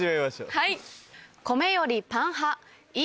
はい。